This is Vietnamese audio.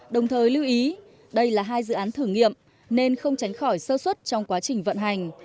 đồng thời lưu ý đây là hai dự án thử nghiệm nên không tránh khỏi sơ xuất trong quá trình vận hành